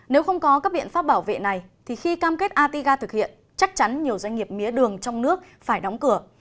nếu không có các biện pháp bảo vệ này thì khi cam kết atiga thực hiện chắc chắn nhiều doanh nghiệp mía đường trong nước phải đóng cửa